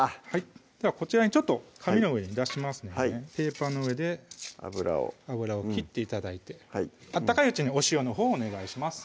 こちらにちょっと紙の上に出しますのでペーパーの上で油を切って頂いて温かいうちにお塩のほうお願いします